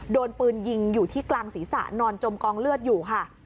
โดนปืนยิงอยู่ที่กลางศีรษะนอนจมกองเลือดอยู่ค่ะ